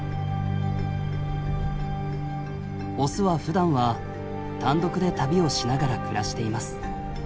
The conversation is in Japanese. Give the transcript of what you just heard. オスはふだんは単独で旅をしながら暮らしています。